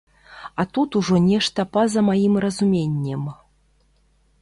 А тут ужо нешта па-за маім разуменнем.